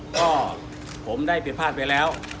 ก็ผมได้ผิดพลาดไปแล้ว